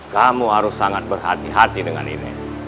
kamu harus sangat berhati hati dengan ini